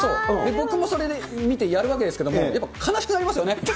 僕もそれで見て、やるわけですけども、やっぱ悲しくなりますよね。